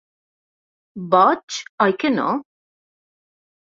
Boig, oi que no?